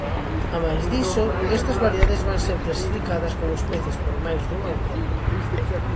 Amais diso, estas variedades van ser clasificadas como especies por máis dun autor.